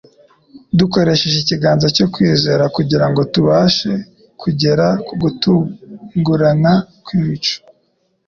dukoresheje ikiganza cyo kwizera kugira ngo tubashe kugera ku guturugana kw'imico.